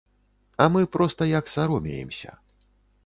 А мы проста як саромеемся.